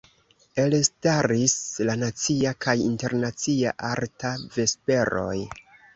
Elstaris la Nacia kaj Internacia Arta Vesperoj.